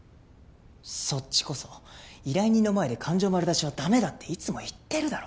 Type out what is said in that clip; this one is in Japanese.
そっちこそ依頼人の前で感情丸出しはダメだっていつも言ってるだろ。